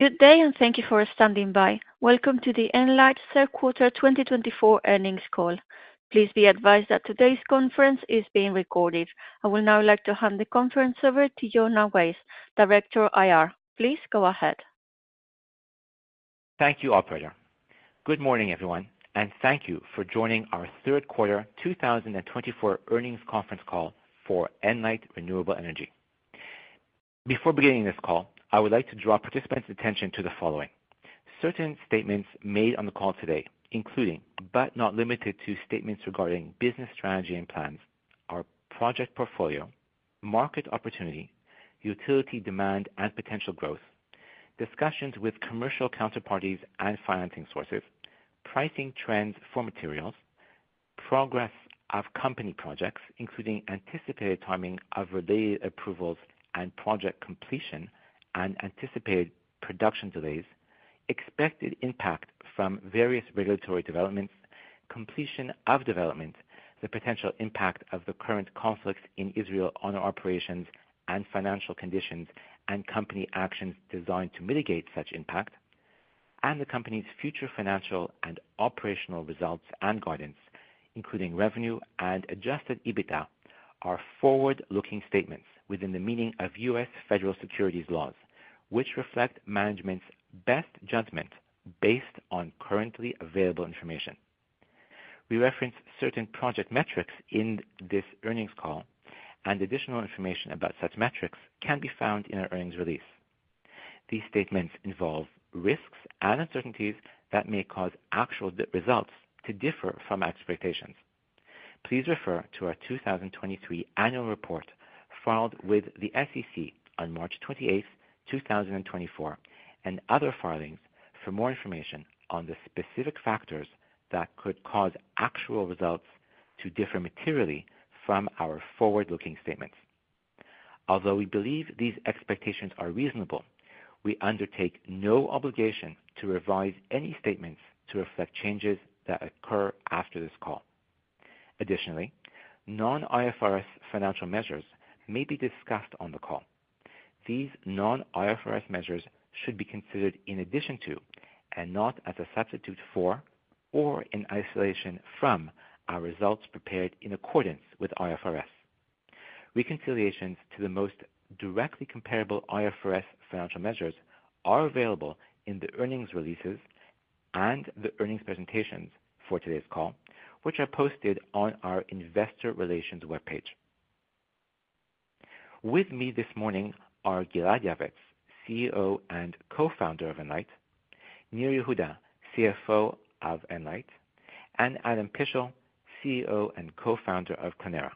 Good day, and thank you for standing by. Welcome to the Enlight Quarter 2024 earnings call. Please be advised that today's conference is being recorded. I will now like to hand the conference over to Yonah Weisz, Director IR. Please go ahead. Thank you, Operator. Good morning, everyone, and thank you for joining our Q3 2024 earnings conference call for Enlight Renewable Energy. Before beginning this call, I would like to draw participants' attention to the following: certain statements made on the call today, including, but not limited to, statements regarding business strategy and plans, our project portfolio, market opportunity, utility demand and potential growth, discussions with commercial counterparties and financing sources, pricing trends for materials, progress of company projects, including anticipated timing of related approvals and project completion and anticipated production delays, expected impact from various regulatory developments, completion of development, the potential impact of the current conflicts in Israel on our operations and financial conditions, and company actions designed to mitigate such impact, and the company's future financial and operational results and guidance, including revenue and Adjusted EBITDA, are forward-looking statements within the meaning of U.S. Federal securities laws, which reflect management's best judgment based on currently available information. We reference certain project metrics in this earnings call, and additional information about such metrics can be found in our earnings release. These statements involve risks and uncertainties that may cause actual results to differ from expectations. Please refer to our 2023 annual report filed with the SEC on March 28, 2024, and other filings for more information on the specific factors that could cause actual results to differ materially from our forward-looking statements. Although we believe these expectations are reasonable, we undertake no obligation to revise any statements to reflect changes that occur after this call. Additionally, non-IFRS financial measures may be discussed on the call. These non-IFRS measures should be considered in addition to, and not as a substitute for, or in isolation from, our results prepared in accordance with IFRS. Reconciliations to the most directly comparable IFRS financial measures are available in the earnings releases and the earnings presentations for today's call, which are posted on our Investor Relations webpage. With me this morning are Gilad Yavetz, CEO and Co-founder of Enlight, Nir Yehuda, CFO of Enlight, and Adam Pishl, CEO and Co-founder of Clenera.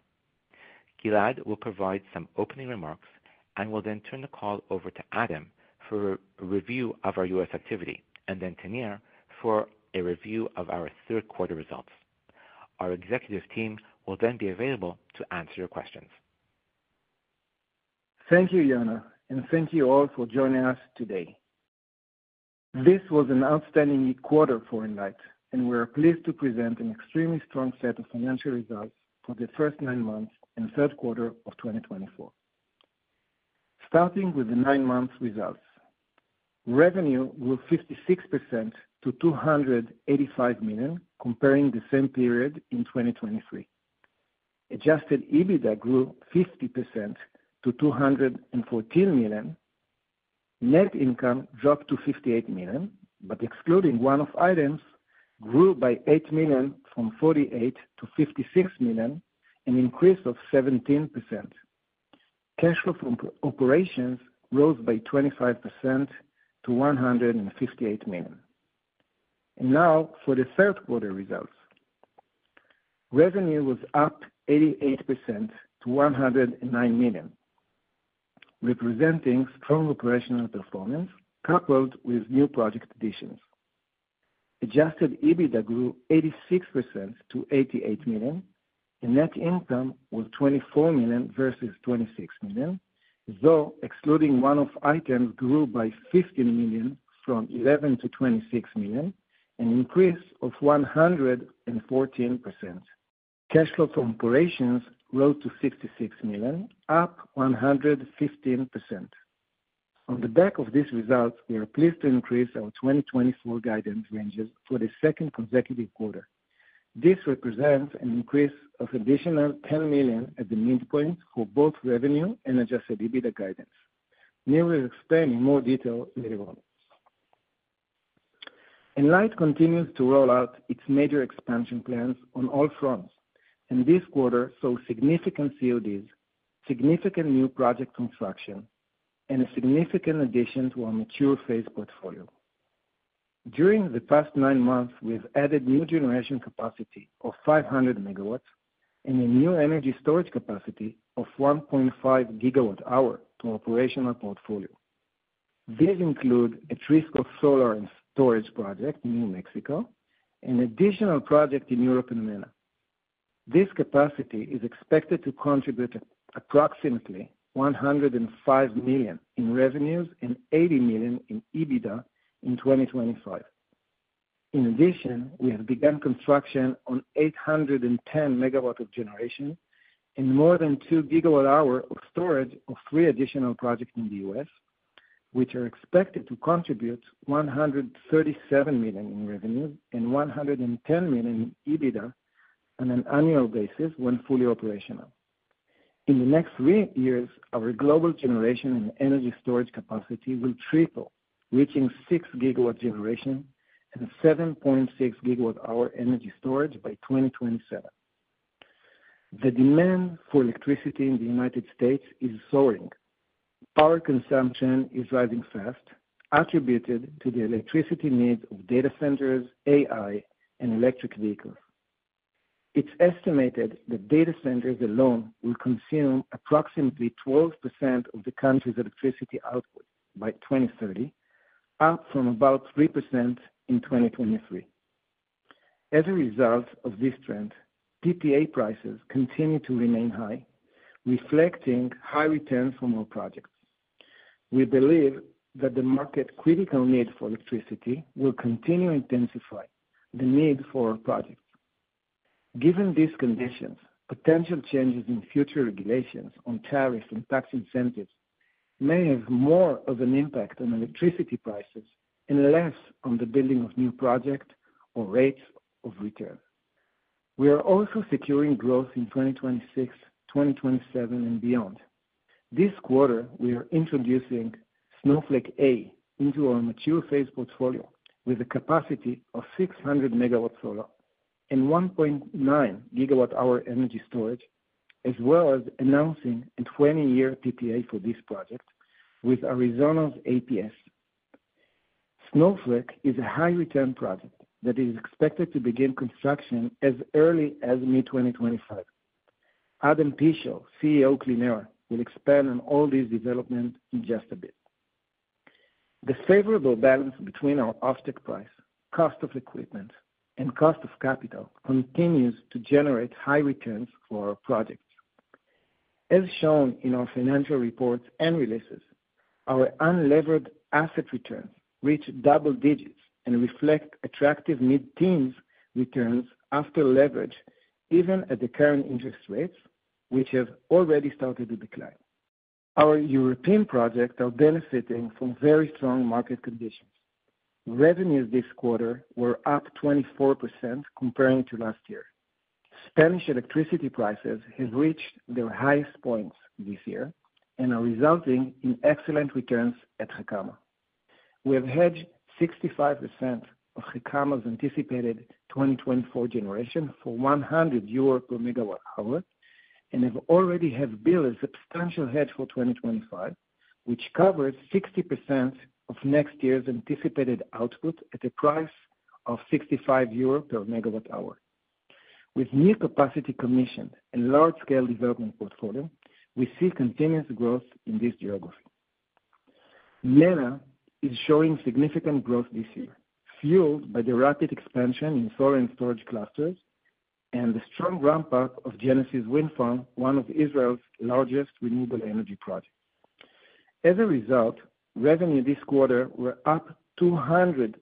Gilad will provide some opening remarks and will then turn the call over to Adam for a review of our U.S. activity, and then to Nir for a review of our Q3 results. Our executive team will then be available to answer your questions. Thank you, Yonah, and thank you all for joining us today. This was an outstanding quarter for Enlight, and we are pleased to present an extremely strong set of financial results for the first nine months and Q3 of 2024. Starting with the nine-month results, revenue grew 56% to $285 million, comparing the same period in 2023. Adjusted EBITDA grew 50% to $214 million. Net income dropped to $58 million, but excluding one-off items, grew by $8 million from $48 million to $56 million, an increase of 17%. Cash flow from operations rose by 25% to $158 million. And now for the Q3 results. Revenue was up 88% to $109 million, representing strong operational performance coupled with new project additions. Adjusted EBITDA grew 86% to $88 million. Net income was $24 million versus $26 million, though excluding one-off items, grew by $15 million from $11 million to $26 million, an increase of 114%. Cash flow from operations rose to $66 million, up 115%. On the back of these results, we are pleased to increase our 2024 guidance ranges for the second consecutive quarter. This represents an increase of additional $10 million at the midpoint for both revenue and Adjusted EBITDA guidance. Nir will explain in more detail later on. Enlight continues to roll out its major expansion plans on all fronts, and this quarter saw significant CODs, significant new project construction, and a significant addition to our mature phase portfolio. During the past nine months, we've added new generation capacity of 500 MW and a new energy storage capacity of 1.5 gigawatt-hours to our operational portfolio. These include an Atrisco solar and storage project in New Mexico and an additional project in Europe and MENA. This capacity is expected to contribute approximately $105 million in revenues and $80 million in EBITDA in 2025. In addition, we have begun construction on 810 MW of generation and more than 2 gigawatt-hours of storage of three additional projects in the U.S., which are expected to contribute $137 million in revenues and $110 million in EBITDA on an annual basis when fully operational. In the next three years, our global generation and energy storage capacity will triple, reaching 6 gigawatts generation and 7.6 gigawatt-hours energy storage by 2027. The demand for electricity in the United States is soaring. Power consumption is rising fast, attributed to the electricity needs of data centers, AI, and electric vehicles. It's estimated that data centers alone will consume approximately 12% of the country's electricity output by 2030, up from about three% in 2023. As a result of this trend, PPA prices continue to remain high, reflecting high returns from our projects. We believe that the market's critical need for electricity will continue to intensify the need for our projects. Given these conditions, potential changes in future regulations on tariffs and tax incentives may have more of an impact on electricity prices and less on the building of new projects or rates of return. We are also securing growth in 2026, 2027, and beyond. This quarter, we are introducing Snowflake A into our mature phase portfolio with a capacity of 600 MW solar and 1.9 gigawatt-hour energy storage, as well as announcing a 20-year PPA for this project with Arizona's APS. Snowflake is a high-return project that is expected to begin construction as early as mid-2025. Adam Pishl, CEO of Clenera, will expand on all these developments in just a bit. The favorable balance between our offtake price, cost of equipment, and cost of capital continues to generate high returns for our projects. As shown in our financial reports and releases, our unleveraged asset returns reach double digits and reflect attractive mid-teens returns after leverage, even at the current interest rates, which have already started to decline. Our European projects are benefiting from very strong market conditions. Revenues this quarter were up 24% comparing to last year. Spanish electricity prices have reached their highest points this year and are resulting in excellent returns at Gecama. We have hedged 65% of Gecama's anticipated 2024 generation for 100 euro per megawatt-hour and have already built a substantial hedge for 2025, which covers 60% of next year's anticipated output at a price of 65 euro per megawatt-hour. With new capacity commissioned and large-scale development portfolio, we see continuous growth in this geography. MENA is showing significant growth this year, fueled by the rapid expansion in solar and storage clusters and the strong ramp-up of Genesis Wind Farm, one of Israel's largest renewable energy projects. As a result, revenue this quarter was up 223%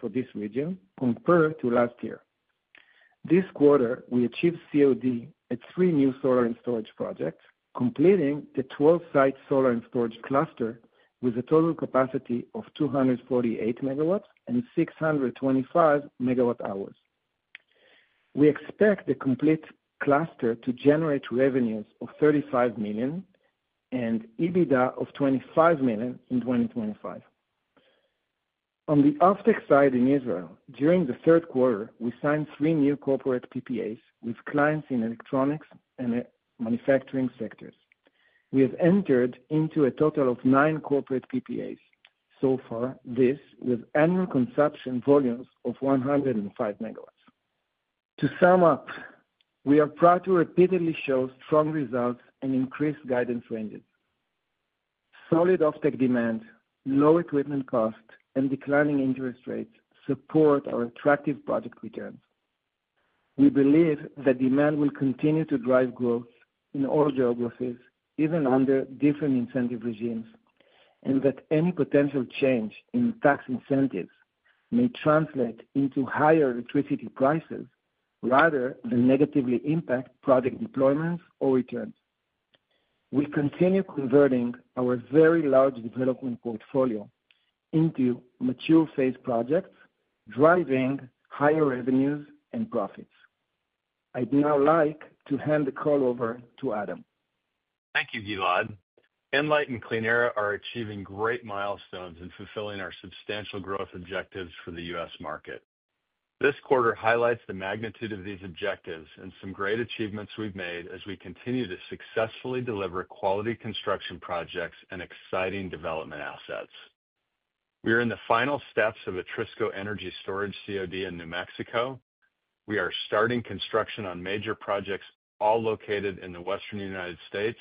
for this region compared to last year. This quarter, we achieved COD at three new solar and storage projects, completing the 12-site solar and storage cluster with a total capacity of 248 MW and 625 MW-hours. We expect the complete cluster to generate revenues of $35 million and EBITDA of $25 million in 2025. On the offtake side in Israel, during the Q3, we signed three new corporate PPAs with clients in electronics and manufacturing sectors. We have entered into a total of nine corporate PPAs so far, with annual consumption volumes of 105 MW. To sum up, we are proud to repeatedly show strong results and increased guidance ranges. Solid offtake demand, low equipment cost, and declining interest rates support our attractive project returns. We believe that demand will continue to drive growth in all geographies, even under different incentive regimes, and that any potential change in tax incentives may translate into higher electricity prices rather than negatively impact project deployments or returns. We continue converting our very large development portfolio into mature phase projects, driving higher revenues and profits. I'd now like to hand the call over to Adam. Thank you, Gilad. Enlight and Clenera are achieving great milestones in fulfilling our substantial growth objectives for the U.S. market. This quarter highlights the magnitude of these objectives and some great achievements we've made as we continue to successfully deliver quality construction projects and exciting development assets. We are in the final steps of an Atrisco energy storage COD in New Mexico. We are starting construction on major projects all located in the western United States,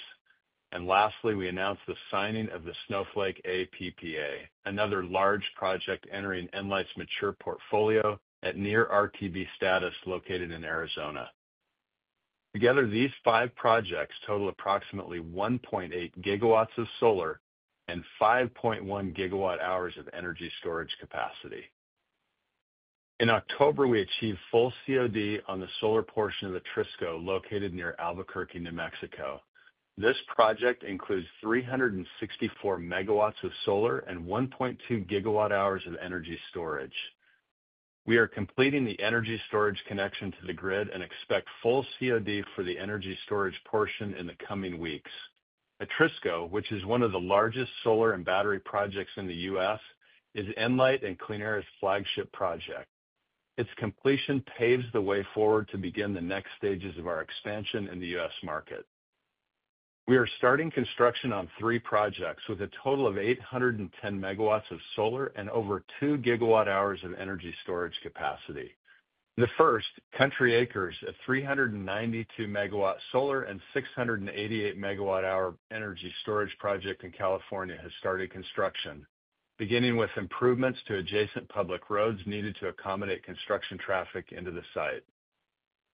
and lastly, we announced the signing of the Snowflake A PPA, another large project entering Enlight's mature portfolio at near RTB status located in Arizona. Together, these five projects total approximately 1.8 gigawatts of solar and 5.1 gigawatt-hours of energy storage capacity. In October, we achieved full COD on the solar portion of the Atrisco located near Albuquerque, New Mexico. This project includes 364 MW of solar and 1.2 gigawatt-hours of energy storage. We are completing the energy storage connection to the grid and expect full COD for the energy storage portion in the coming weeks. Atrisco, which is one of the largest solar and battery projects in the U.S., is Enlight and Clenera's flagship project. Its completion paves the way forward to begin the next stages of our expansion in the U.S. market. We are starting construction on three projects with a total of 810 MW of solar and over two gigawatt-hours of energy storage capacity. The first, Country Acres' 392 MW solar and 688 megawatt-hour energy storage project in California has started construction, beginning with improvements to adjacent public roads needed to accommodate construction traffic into the site.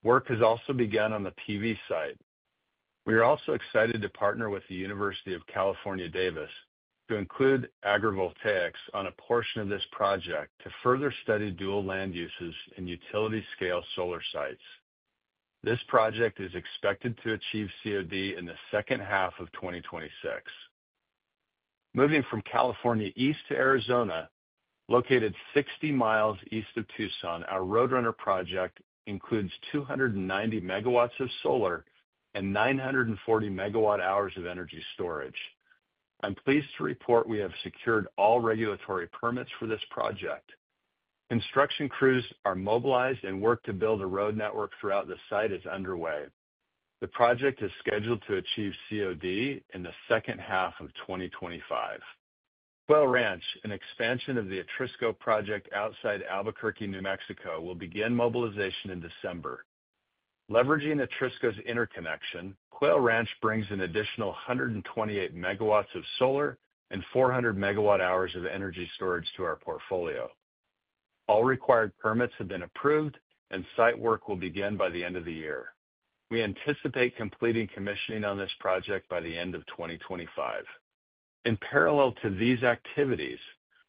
Work has also begun on the PV site. We are also excited to partner with the University of California, Davis, to include Agrivoltaics on a portion of this project to further study dual land uses in utility-scale solar sites. This project is expected to achieve COD in the second half of 2026. Moving from California east to Arizona, located 60 miles east of Tucson, our Roadrunner project includes 290 MW of solar and 940 megawatt-hours of energy storage. I'm pleased to report we have secured all regulatory permits for this project. Construction crews are mobilized and work to build a road network throughout the site is underway. The project is scheduled to achieve COD in the second half of 2025. Quail Ranch, an expansion of the Atrisco project outside Albuquerque, New Mexico, will begin mobilization in December. Leveraging Atrisco's interconnection, Quail Ranch brings an additional 128 MW of solar and 400 megawatt-hours of energy storage to our portfolio. All required permits have been approved, and site work will begin by the end of the year. We anticipate completing commissioning on this project by the end of 2025. In parallel to these activities,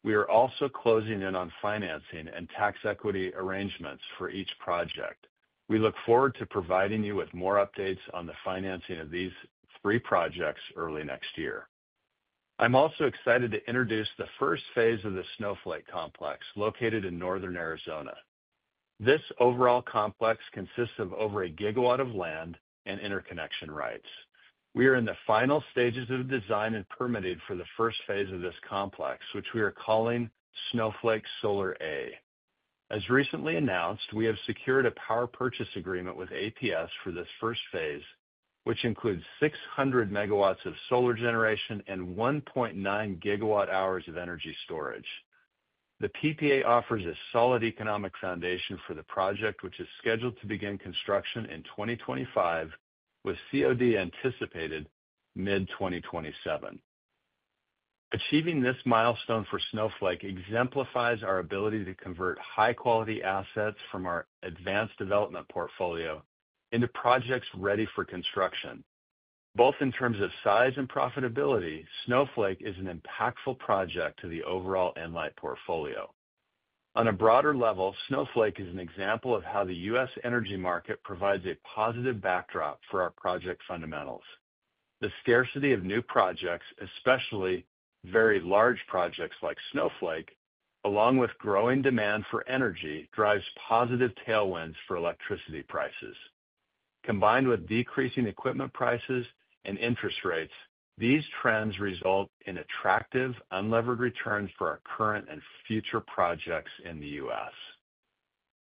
we are also closing in on financing and tax equity arrangements for each project. We look forward to providing you with more updates on the financing of these three projects early next year. I'm also excited to introduce the first phase of the Snowflake complex located in northern Arizona. This overall complex consists of over a gigawatt of land and interconnection rights. We are in the final stages of design and permitting for the first phase of this complex, which we are calling Snowflake A. As recently announced, we have secured a power purchase agreement with APS for this first phase, which includes 600 MW of solar generation and 1.9 gigawatt-hours of energy storage. The PPA offers a solid economic foundation for the project, which is scheduled to begin construction in 2025, with COD anticipated mid-2027. Achieving this milestone for Snowflake exemplifies our ability to convert high-quality assets from our advanced development portfolio into projects ready for construction. Both in terms of size and profitability, Snowflake is an impactful project to the overall Enlight portfolio. On a broader level, Snowflake is an example of how the U.S. energy market provides a positive backdrop for our project fundamentals. The scarcity of new projects, especially very large projects like Snowflake, along with growing demand for energy, drives positive tailwinds for electricity prices. Combined with decreasing equipment prices and interest rates, these trends result in attractive unleveraged returns for our current and future projects in the U.S.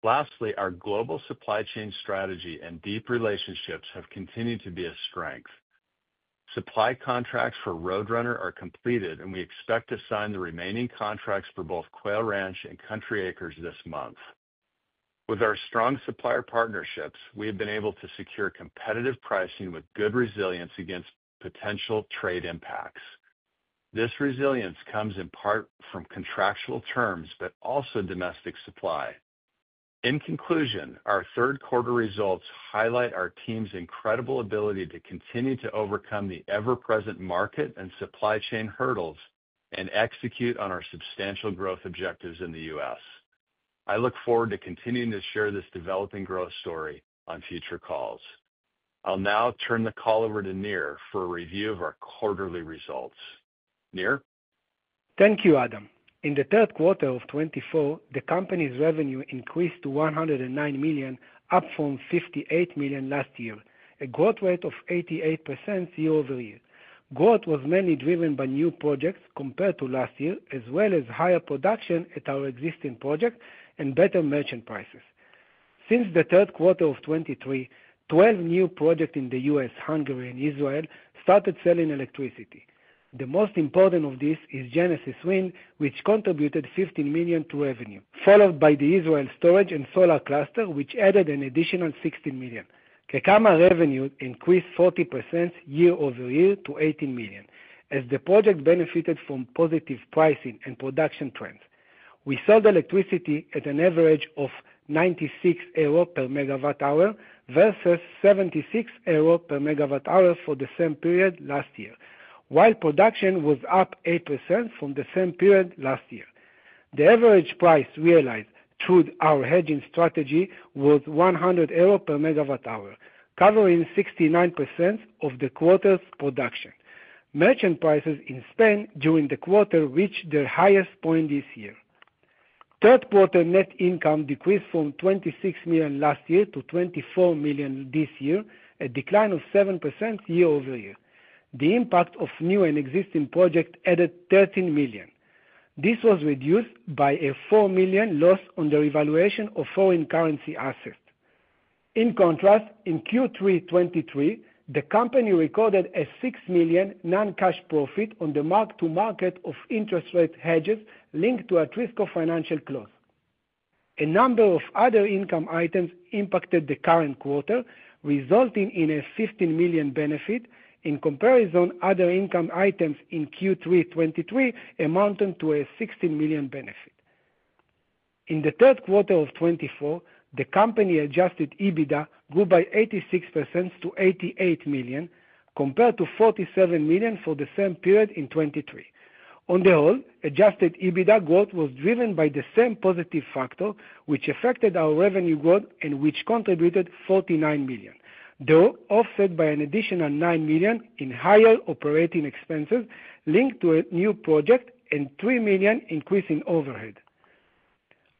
Lastly, our global supply chain strategy and deep relationships have continued to be a strength. Supply contracts for Roadrunner are completed, and we expect to sign the remaining contracts for both Quail Ranch and Country Acres this month. With our strong supplier partnerships, we have been able to secure competitive pricing with good resilience against potential trade impacts. This resilience comes in part from contractual terms, but also domestic supply. In conclusion, our Q3 results highlight our team's incredible ability to continue to overcome the ever-present market and supply chain hurdles and execute on our substantial growth objectives in the U.S. I look forward to continuing to share this developing growth story on future calls. I'll now turn the call over to Nir for a review of our quarterly results. Nir? Thank you, Adam. In the Q3 of 2024, the company's revenue increased to $109 million, up from $58 million last year, a growth rate of 88% year over year. Growth was mainly driven by new projects compared to last year, as well as higher production at our existing projects and better merchant prices. Since the Q3 of 2023, 12 new projects in the U.S., Hungary, and Israel started selling electricity. The most important of these is Genesis Wind, which contributed $15 million to revenue, followed by the Israel Storage and Solar Cluster, which added an additional $16 million. Gecama revenue increased 40% year over year to $18 million, as the project benefited from positive pricing and production trends. We sold electricity at an average of 96 euro per megawatt-hour versus 76 euro per megawatt-hour for the same period last year, while production was up 8% from the same period last year. The average price realized through our hedging strategy was 100 euro per megawatt-hour, covering 69% of the quarter's production. Merchant prices in Spain during the quarter reached their highest point this year. Q3 net income decreased from 26 million last year to 24 million this year, a decline of 7% year over year. The impact of new and existing projects added 13 million. This was reduced by a 4 million loss on the revaluation of foreign currency assets. In contrast, in Q3 2023, the company recorded a 6 million non-cash profit on the mark-to-market of interest rate hedges linked to an Atrisco financial close. A number of other income items impacted the current quarter, resulting in a $15 million benefit. In comparison, other income items in Q3 2023 amounted to a $16 million benefit. In the Q3 of 2024, the Company's Adjusted EBITDA grew by 86% to $88 million, compared to $47 million for the same period in 2023. On the whole, Adjusted EBITDA growth was driven by the same positive factor, which affected our revenue growth and which contributed $49 million, though offset by an additional $9 million in higher operating expenses linked to a new project and $3 million increase in overhead.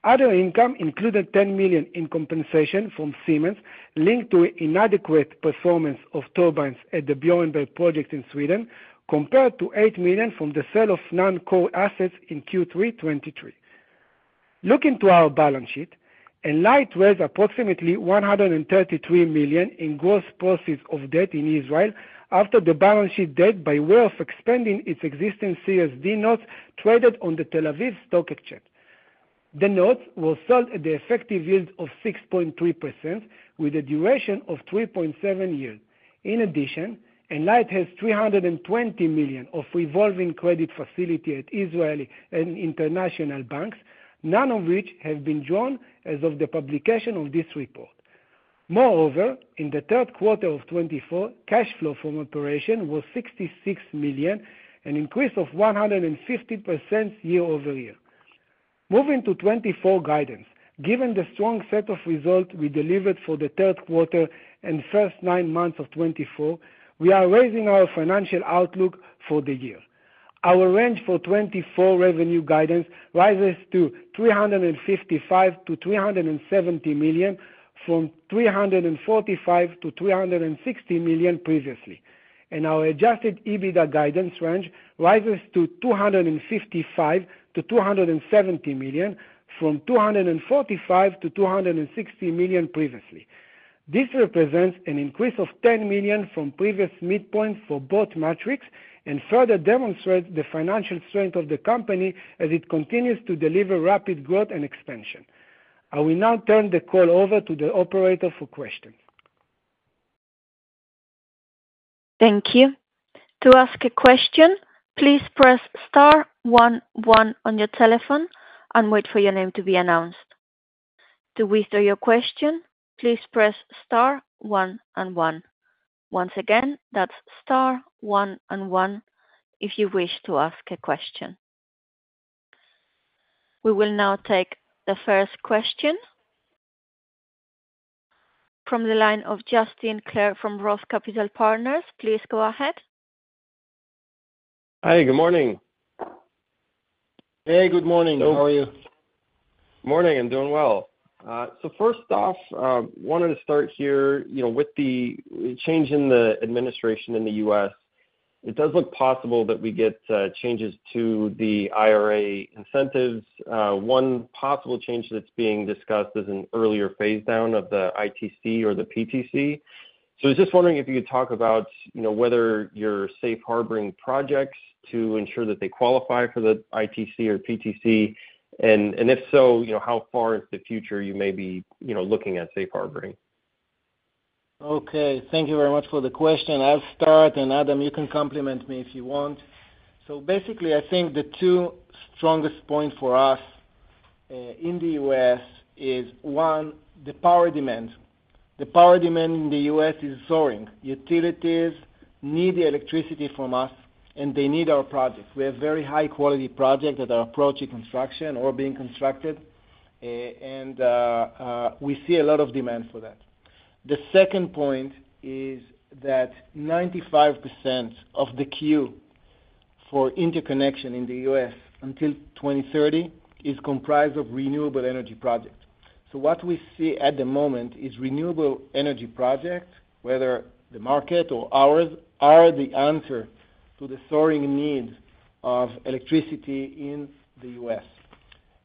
Other income included $10 million in compensation from Siemens linked to inadequate performance of turbines at the Björnberget project in Sweden, compared to $8 million from the sale of non-core assets in Q3 2023. Looking to our balance sheet, Enlight raised approximately $133 million in gross proceeds of debt in Israel after the balance sheet date by way of expanding its existing Series D notes traded on the Tel Aviv Stock Exchange. The notes were sold at the effective yield of 6.3%, with a duration of 3.7 years. In addition, Enlight has $320 million of revolving credit facilities at Israeli and international banks, none of which have been drawn as of the publication of this report. Moreover, in the Q3 of 2024, cash flow from operation was $66 million, an increase of 150% year over year. Moving to 2024 guidance, given the strong set of results we delivered for the Q3 and first nine months of 2024, we are raising our financial outlook for the year. Our range for 2024 revenue guidance rises to $355-$370 million from $345-$360 million previously, and our Adjusted EBITDA guidance range rises to $255-$270 million from $245-$260 million previously. This represents an increase of $10 million from previous midpoint for both metrics and further demonstrates the financial strength of the company as it continues to deliver rapid growth and expansion. I will now turn the call over to the operator for questions. Thank you. To ask a question, please press star 11 on your telephone and wait for your name to be announced. To withdraw your question, please press star 11. Once again, that's star 11 if you wish to ask a question. We will now take the first question from the line of Justin Clare from Roth Capital Partners. Please go ahead. Hi, good morning. Hey, good morning. How are you? Morning, I'm doing well. So first off, I wanted to start here with the change in the administration in the U.S. It does look possible that we get changes to the IRA incentives. One possible change that's being discussed is an earlier phase down of the ITC or the PTC. So I was just wondering if you could talk about whether you're safe harboring projects to ensure that they qualify for the ITC or PTC, and if so, how far into the future you may be looking at safe harboring? Okay, thank you very much for the question. I'll start, and Adam, you can complement me if you want. So basically, I think the two strongest points for us in the U.S. is, one, the power demand. The power demand in the U.S. is soaring. Utilities need the electricity from us, and they need our projects. We have very high-quality projects that are approaching construction or being constructed, and we see a lot of demand for that. The second point is that 95% of the queue for interconnection in the U.S. until 2030 is comprised of renewable energy projects. So what we see at the moment is renewable energy projects, whether the market or ours, are the answer to the soaring need of electricity in the U.S.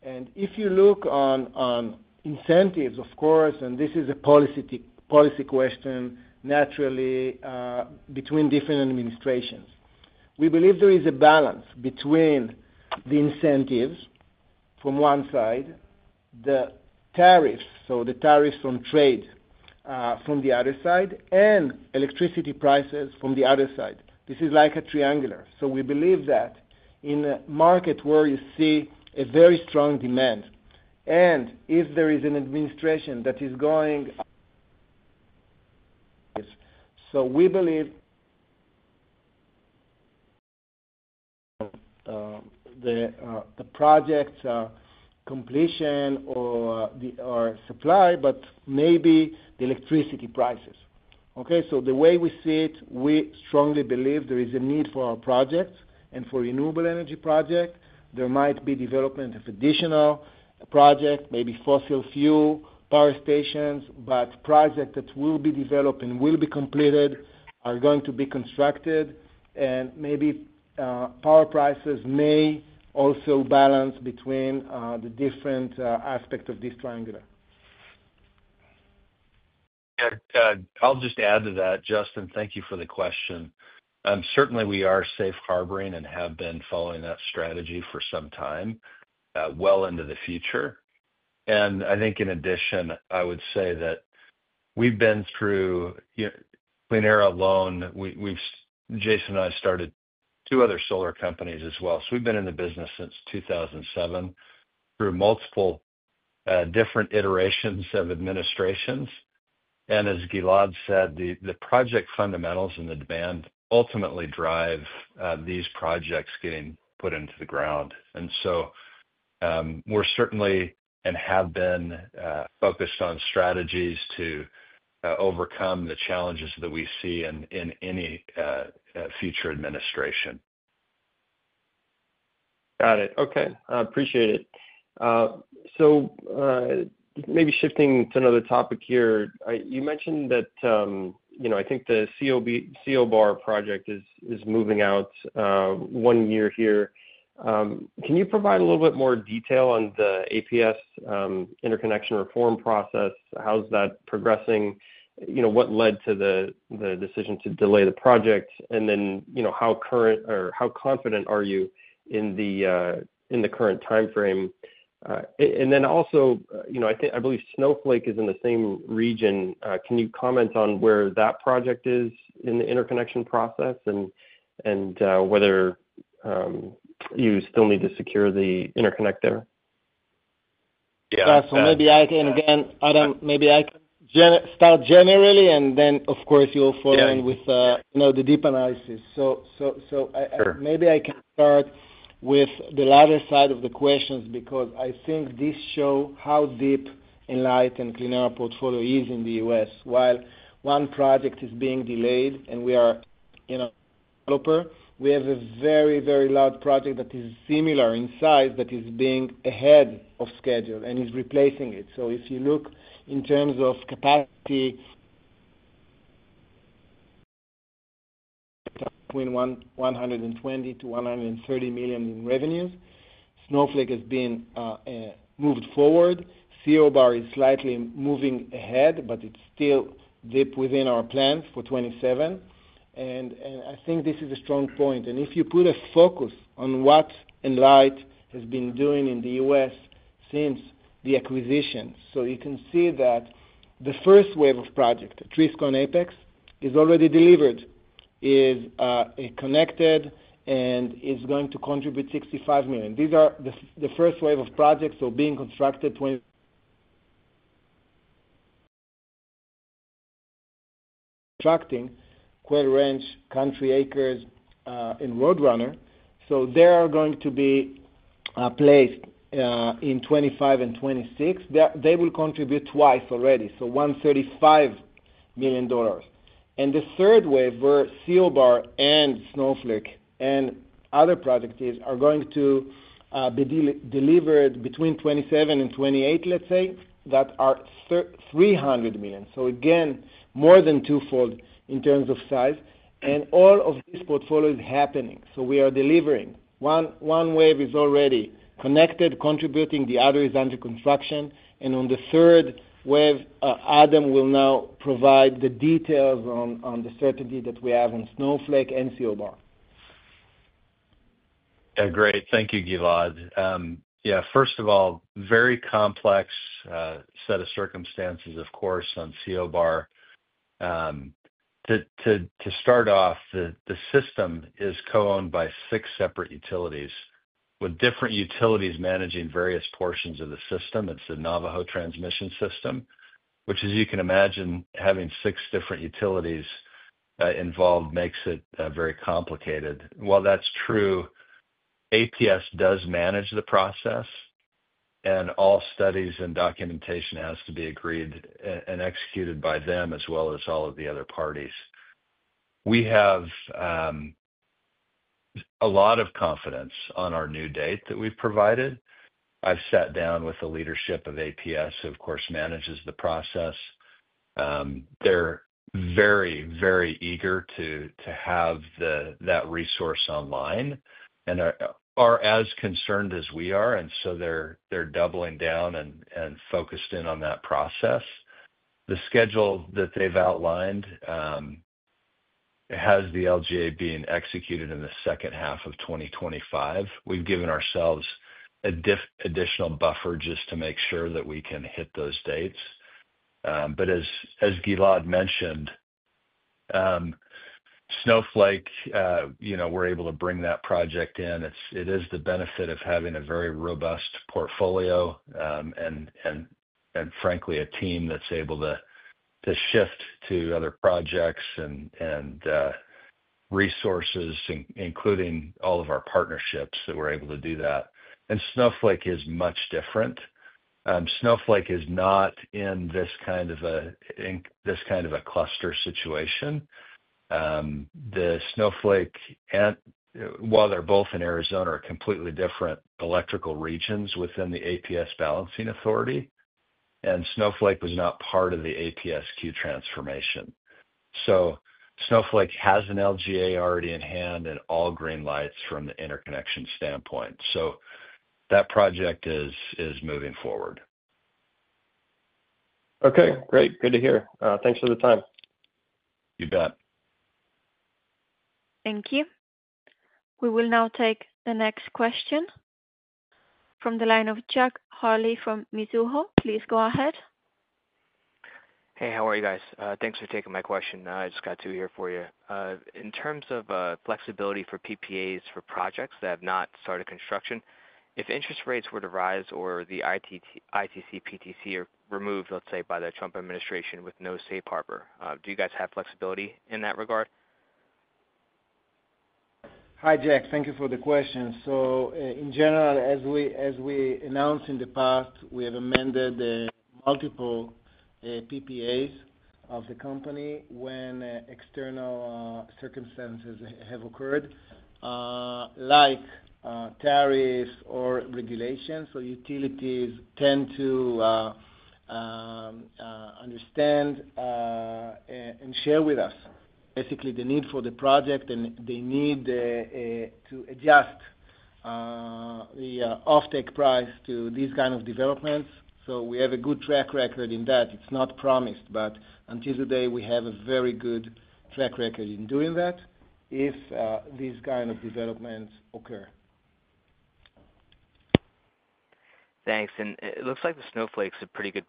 If you look on incentives, of course, and this is a policy question, naturally, between different administrations, we believe there is a balance between the incentives from one side, the tariffs, so the tariffs from trade, from the other side, and electricity prices from the other side. This is like a triangle. We believe that in a market where you see a very strong demand, and if there is an administration that is going. We believe. The project completion or supply, but maybe the electricity prices. Okay, so the way we see it, we strongly believe there is a need for our projects and for renewable energy projects. There might be development of additional projects, maybe fossil fuel power stations, but projects that will be developed and will be completed are going to be constructed, and maybe power prices may also balance between the different aspects of this triangular. I'll just add to that, Justin, thank you for the question. Certainly, we are safe harboring and have been following that strategy for some time, well into the future. And I think in addition, I would say that we've been through Clenera alone. Jason and I started two other solar companies as well. So we've been in the business since 2007 through multiple different iterations of administrations. And as Gilad said, the project fundamentals and the demand ultimately drive these projects getting put into the ground. And so we're certainly and have been focused on strategies to overcome the challenges that we see in any future administration. Got it. Okay, I appreciate it. So maybe shifting to another topic here, you mentioned that I think the CO Bar project is moving out one year here. Can you provide a little bit more detail on the APS interconnection reform process? How's that progressing? What led to the decision to delay the project? And then how current or how confident are you in the current timeframe? And then also, I believe Snowflake is in the same region. Can you comment on where that project is in the interconnection process and whether you still need to secure the interconnect there? Yeah, so maybe I can, again, Adam, maybe I can start generally, and then, of course, you'll follow in with the deep analysis. So maybe I can start with the latter side of the questions because I think this shows how deep Enlight and Clenera portfolio is in the U.S. While one project is being delayed and we are a developer, we have a very, very large project that is similar in size that is being ahead of schedule and is replacing it. So if you look in terms of capacity, between $120 million to $130 million in revenues, Snowflake has been moved forward. CO Bar is slightly moving ahead, but it's still deep within our plans for 2027. And I think this is a strong point. And if you put a focus on what Enlight has been doing in the U.S. Since the acquisition, so you can see that the first wave of projects, Atrisco and Apex, is already delivered, is connected, and is going to contribute $65 million. These are the first wave of projects being constructed, Atrisco, Quail Ranch, Country Acres and Roadrunner, so they are going to be placed in 2025 and 2026. They will contribute twice already, so $135 million. And the third wave where CO Bar and Snowflake and other projects are going to be delivered between 2027 and 2028, let's say, that are $300 million, so again, more than twofold in terms of size. And all of these portfolios are happening, so we are delivering. One wave is already connected, contributing. The other is under construction. And on the third wave, Adam will now provide the details on the certainty that we have on Snowflake and CO Bar. Yeah, great. Thank you, Gilad. Yeah, first of all, very complex set of circumstances, of course, on CO Bar. To start off, the system is co-owned by six separate utilities, with different utilities managing various portions of the system. It's the Navajo Transmission System, which, as you can imagine, having six different utilities involved makes it very complicated. While that's true, APS does manage the process, and all studies and documentation has to be agreed and executed by them as well as all of the other parties. We have a lot of confidence on our new date that we've provided. I've sat down with the leadership of APS, of course, manages the process. They're very, very eager to have that resource online and are as concerned as we are. And so they're doubling down and focused in on that process. The schedule that they've outlined has the LGA being executed in the second half of 2025. We've given ourselves an additional buffer just to make sure that we can hit those dates. But as Gilad mentioned, Snowflake, we're able to bring that project in. It is the benefit of having a very robust portfolio and, frankly, a team that's able to shift to other projects and resources, including all of our partnerships that we're able to do that. Snowflake is much different. Snowflake is not in this kind of a cluster situation. The Snowflake, while they're both in Arizona, are completely different electrical regions within the APS balancing authority. Snowflake was not part of the APSQ transformation. Snowflake has an LGA already in hand and all green lights from the interconnection standpoint. That project is moving forward. Okay, great. Good to hear. Thanks for the time. You bet. Thank you. We will now take the next question from the line of Jack Hurley from Mizuho. Please go ahead. Hey, how are you guys? Thanks for taking my question. I just got two here for you. In terms of flexibility for PPAs for projects that have not started construction, if interest rates were to rise or the ITC, PTC are removed, let's say, by the Trump administration with no safe harbor, do you guys have flexibility in that regard? Hi, Jack. Thank you for the question. So in general, as we announced in the past, we have amended multiple PPAs of the company when external circumstances have occurred, like tariffs or regulations. So utilities tend to understand and share with us, basically, the need for the project, and they need to adjust the off-take price to these kinds of developments. So we have a good track record in that. It's not promised, but until today, we have a very good track record in doing that if these kinds of developments occur. Thanks. And it looks like the Snowflake's a pretty good,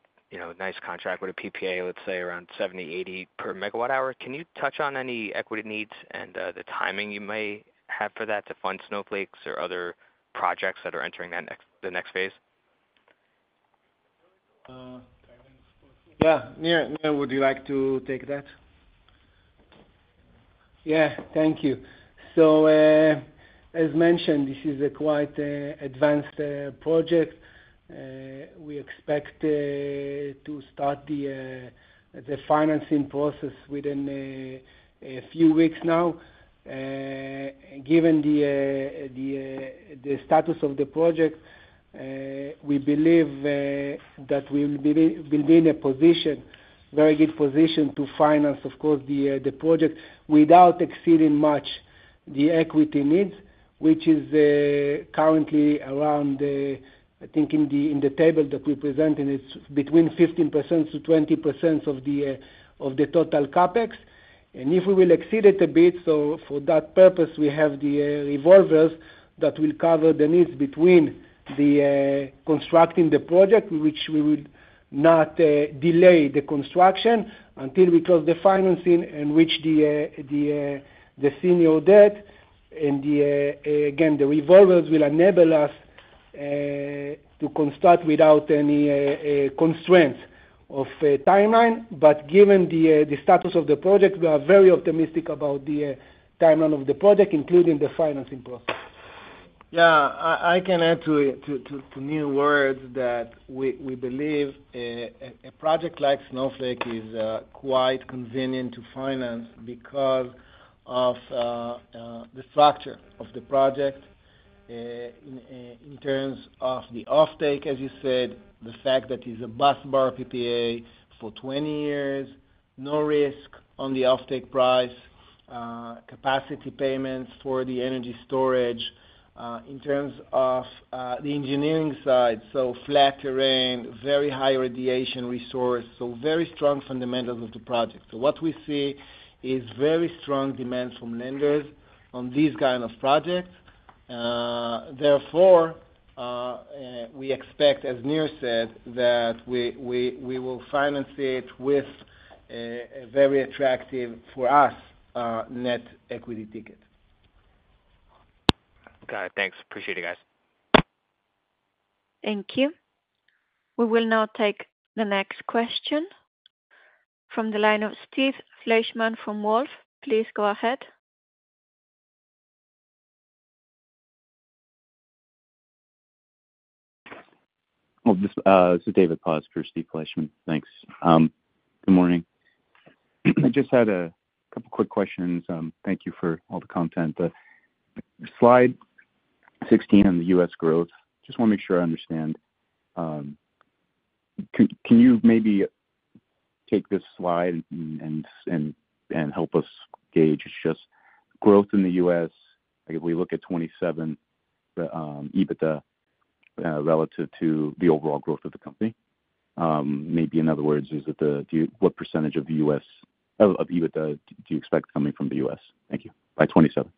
nice contract with a PPA, let's say, around 70-80 per megawatt-hour. Can you touch on any equity needs and the timing you may have for that to fund Snowflake's or other projects that are entering the next phase? Yeah, Nir, would you like to take that? Yeah, thank you. So as mentioned, this is a quite advanced project. We expect to start the financing process within a few weeks now. Given the status of the project, we believe that we will be in a very good position to finance, of course, the project without exceeding much the equity needs, which is currently around, I think, in the table that we present, and it's between 15%-20% of the total CapEx. And if we will exceed it a bit, so for that purpose, we have the revolvers that will cover the needs between constructing the project, which we will not delay the construction until we close the financing and reach the senior debt. And again, the revolvers will enable us to construct without any constraints of timeline. But given the status of the project, we are very optimistic about the timeline of the project, including the financing process. Yeah, I can add a few words that we believe a project like Snowflake is quite convenient to finance because of the structure of the project in terms of the off-take, as you said, the fact that it's a busbar PPA for 20 years, no risk on the off-take price, capacity payments for the energy storage. In terms of the engineering side, so flat terrain, very high radiation resource, so very strong fundamentals of the project. So what we see is very strong demand from lenders on these kinds of projects. Therefore, we expect, as Nir said, that we will finance it with a very attractive for us net equity ticket. Got it. Thanks. Appreciate it, guys. Thank you. We will now take the next question from the line of Steve Fleischman from Wolfe. Please go ahead. This is David Paz for Steve Fleischman. Thanks. Good morning. I just had a couple of quick questions. Thank you for all the content. Slide 16 on the U.S. growth. Just want to make sure I understand. Can you maybe take this slide and help us gauge? It's just growth in the U.S. If we look at 2027, EBITDA relative to the overall growth of the company. Maybe in other words, what percentage of EBITDA do you expect coming from the U.S.? Thank you. By 2027.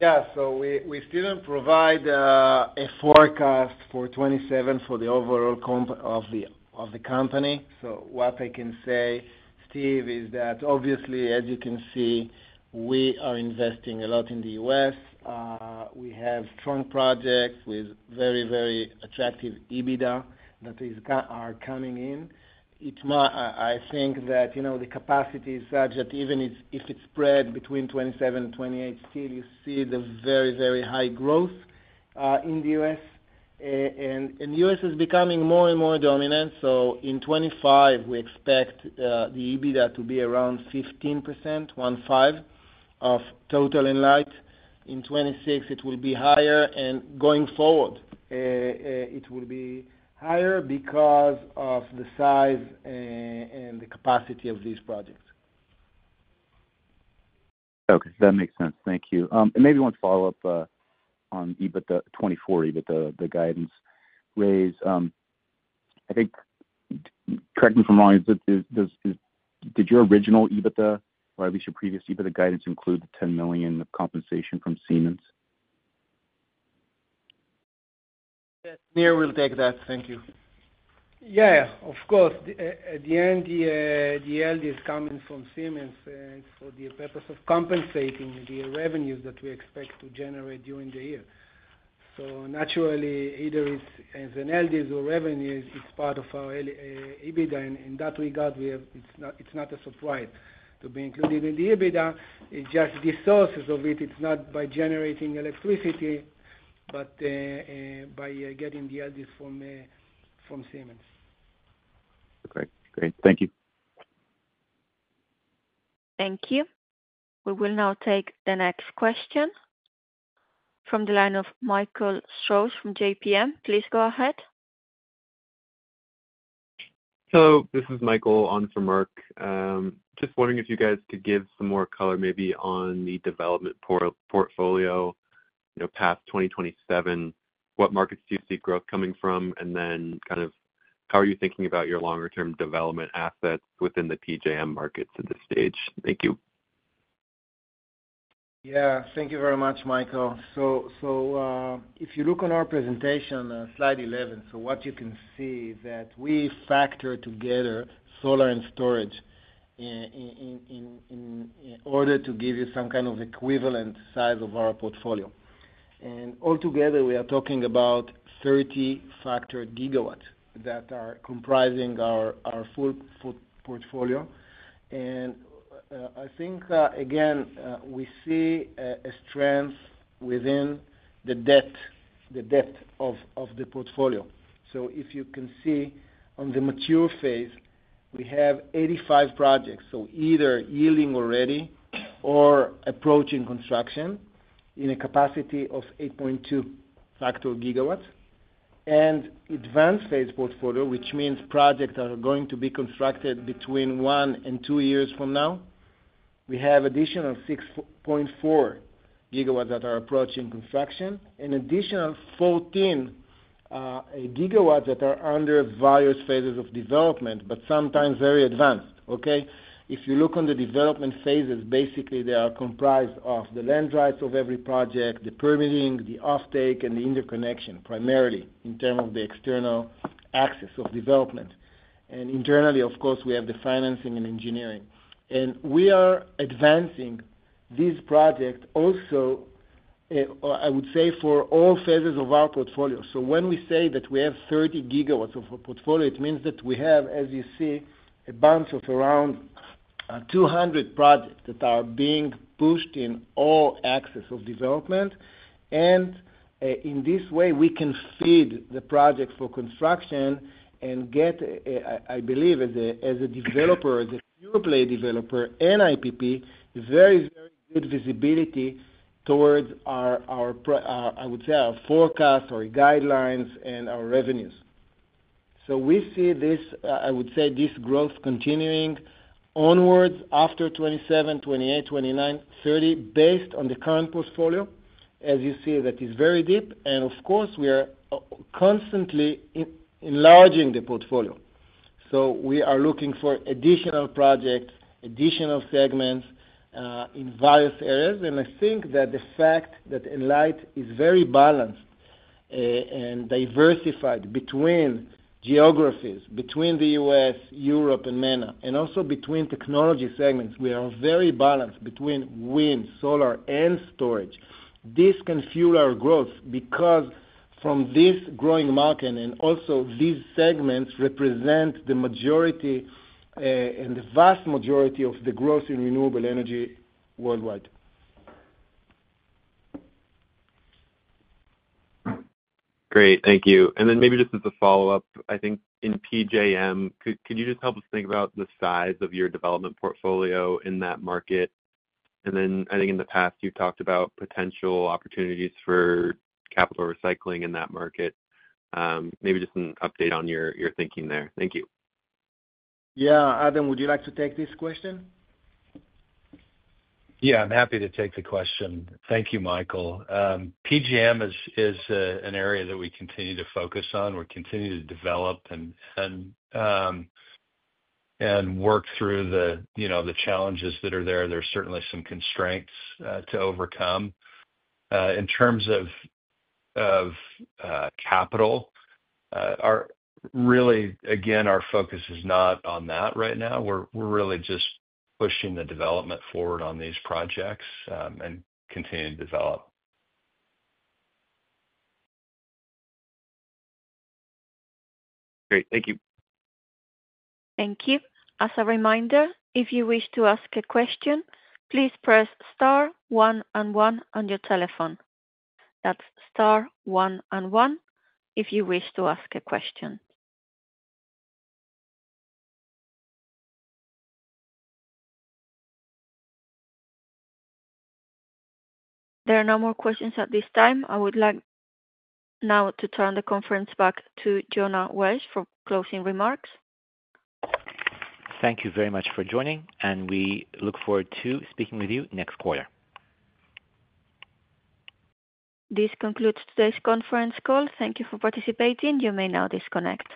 Yeah, so we still don't provide a forecast for 2027 for the overall comp of the company. So what I can say, Steve, is that obviously, as you can see, we are investing a lot in the U.S. We have strong projects with very, very attractive EBITDA that are coming in. I think that the capacity is such that even if it's spread between 2027 and 2028, still you see the very, very high growth in the U.S. And the U.S. is becoming more and more dominant. So in 2025, we expect the EBITDA to be around 15%, 1.5% of total Enlight. In 2026, it will be higher. And going forward, it will be higher because of the size and the capacity of these projects. Okay. That makes sense. Thank you. And maybe one follow-up on EBITDA 2024, EBITDA guidance raise. I think, correct me if I'm wrong, did your original EBITDA, or at least your previous EBITDA guidance, include the $10 million of compensation from Siemens? Nir will take that. Thank you. Yeah, of course. At the end, the LD is coming from Siemens for the purpose of compensating the revenues that we expect to generate during the year. So naturally, either it's an LD or revenue, it's part of our EBITDA. In that regard, it's not a surprise to be included in the EBITDA. It's just the sources of it. It's not by generating electricity, but by getting the LDs from Siemens. Great. Great. Thank you. Thank you. We will now take the next question from the line of Michael Strouse from JPM. Please go ahead. Hello. This is Michael on for Merck. Just wondering if you guys could give some more color maybe on the development portfolio past 2027, what markets do you see growth coming from, and then kind of how are you thinking about your longer-term development assets within the PJM markets at this stage? Thank you. Yeah. Thank you very much, Michael. So if you look on our presentation, slide 11, so what you can see is that we factor together solar and storage in order to give you some kind of equivalent size of our portfolio. And altogether, we are talking about 3 gigawatts that are comprising our full portfolio. And I think, again, we see a strength within the depth of the portfolio. So if you can see on the mature phase, we have 85 projects, so either yielding already or approaching construction in a capacity of 8.2 gigawatts. And advanced phase portfolio, which means projects that are going to be constructed between one and two years from now. We have additional 6.4 gigawatts that are approaching construction and additional 14 gigawatts that are under various phases of development, but sometimes very advanced. Okay? If you look on the development phases, basically, they are comprised of the land rights of every project, the permitting, the off-take, and the interconnection, primarily in terms of the external aspects of development. And internally, of course, we have the financing and engineering. And we are advancing these projects also, I would say, for all phases of our portfolio. So when we say that we have 30 gigawatts of a portfolio, it means that we have, as you see, a bunch of around 200 projects that are being pushed in all aspects of development. And in this way, we can feed the projects for construction and get, I believe, as a developer, as a pure-play developer, an IPP, very, very good visibility towards our, I would say, our forecast or guidelines and our revenues. So we see this, I would say, this growth continuing onwards after 2027, 2028, 2029, 2030, based on the current portfolio, as you see, that is very deep. And of course, we are constantly enlarging the portfolio. So we are looking for additional projects, additional segments in various areas. And I think that the fact that Enlight is very balanced and diversified between geographies, between the U.S., Europe, and MENA, and also between technology segments, we are very balanced between wind, solar, and storage. This can fuel our growth because from this growing market and also these segments represent the majority and the vast majority of the growth in renewable energy worldwide. Great. Thank you. And then maybe just as a follow-up, I think in PJM, could you just help us think about the size of your development portfolio in that market? And then I think in the past, you've talked about potential opportunities for capital recycling in that market. Maybe just an update on your thinking there. Thank you. Yeah. Adam, would you like to take this question? Yeah. I'm happy to take the question. Thank you, Michael. PJM is an area that we continue to focus on. We're continuing to develop and work through the challenges that are there. There are certainly some constraints to overcome. In terms of capital, really, again, our focus is not on that right now. We're really just pushing the development forward on these projects and continue to develop. Great. Thank you. Thank you. As a reminder, if you wish to ask a question, please press star one and one on your telephone. That's star one and one if you wish to ask a question. There are no more questions at this time. I would like now to turn the conference back to Yonah Weisz for closing remarks. Thank you very much for joining, and we look forward to speaking with you next quarter. This concludes today's conference call. Thank you for participating. You may now disconnect.